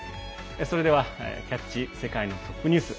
それでは、「キャッチ！世界のトップニュース」。